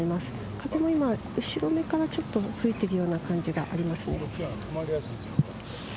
風も後ろめから吹いているような感じがあります。